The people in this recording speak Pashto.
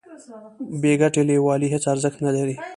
بې ګټې لویوالي هیڅ ارزښت نلري.